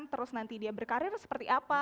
terus nanti dia berkarir seperti apa